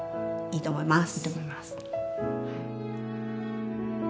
いいと思います。